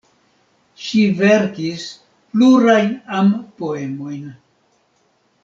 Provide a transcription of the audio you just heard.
Ŝi verkis plurajn am-poemojn.